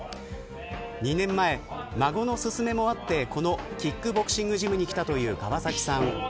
２年前、孫の勧めもあってこのキックボクシングジムに来たという川崎さん。